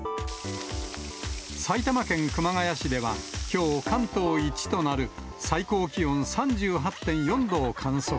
埼玉県熊谷市では、きょう関東一となる最高気温３８．４度を観測。